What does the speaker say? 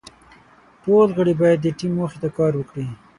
ټول غړي باید د ټیم موخې ته کار وکړي.